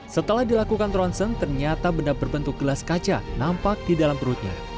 setelah dilakukan ronsen ternyata benda berbentuk gelas kaca nampak di dalam perutnya